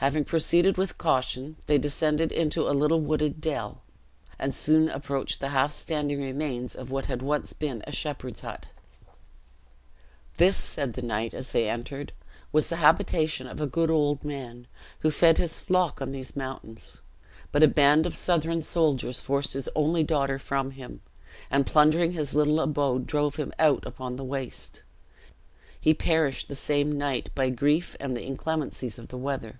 Having proceeded with caution, they descended into a little wooded dell, and soon approached the half standing remains of what had once been a shepherd's hut. "This," said the knight, as they entered, "was the habitation of a good old man, who fed his flock on these mountains; but a band of Southron soldiers forced his only daughter from him, and, plundering his little abode, drove him out upon the waste. He perished the same night, by grief, and the inclemencies of the weather.